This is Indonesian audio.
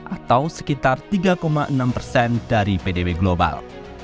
atau sekitar tiga enam persen dari pdb global